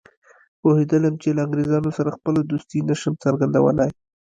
پوهېدلم چې له انګریزانو سره خپله دوستي نه شم څرګندولای.